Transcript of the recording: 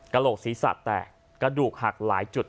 โหลกศีรษะแตกกระดูกหักหลายจุด